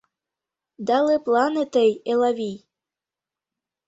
Да лыплане тый, Элавий.